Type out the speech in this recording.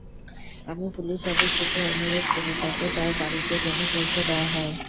আমি পুলিশ সদস্যকে অনুরোধ করি তাঁকে তাঁর বাড়িতে যেন পৌঁছে দেওয়া হয়।